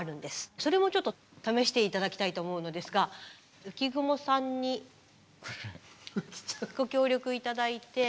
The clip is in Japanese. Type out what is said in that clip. それもちょっと試して頂きたいと思うのですが浮雲さんにご協力頂いて。